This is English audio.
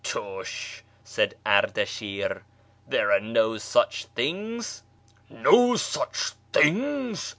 " Tush," said Ardasln'r, " tliere are no sucli things." " No such things